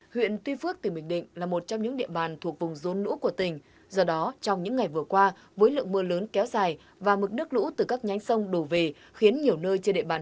huyện tuy phước tỉnh bình định là một trong những địa bàn thuộc vùng dân